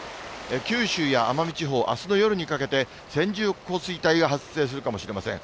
九州や奄美地方、あすの夜にかけて、線状降水帯が発生するかもしれません。